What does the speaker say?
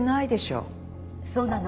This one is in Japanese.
そうなの。